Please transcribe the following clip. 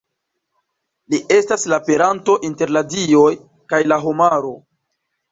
Li estas la peranto inter la dioj kaj la homaro.